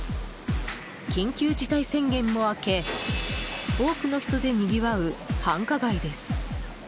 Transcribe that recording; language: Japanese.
緊急事態宣言も明け多くの人でにぎわう繁華街です。